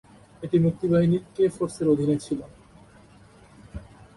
এটি মুক্তিবাহিনীর কে ফোর্সের অধীনে ছিল।